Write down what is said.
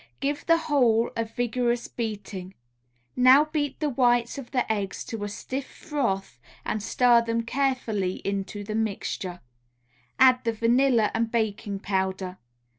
Give the whole a vigorous beating. Now beat the whites of the eggs to a stiff froth, and stir them carefully into the mixture; add the vanilla and baking powder.